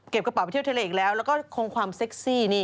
กระเป๋าไปเที่ยวทะเลอีกแล้วแล้วก็คงความเซ็กซี่นี่